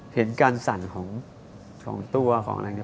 เห็นการสั่นของตัวของอะไรอย่างนี้